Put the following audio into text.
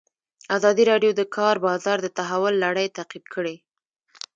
ازادي راډیو د د کار بازار د تحول لړۍ تعقیب کړې.